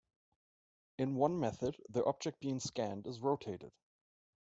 In one method, the object being scanned is rotated.